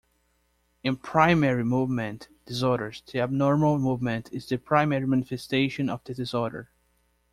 In primary movement disorders, the abnormal movement is the primary manifestation of the disorder.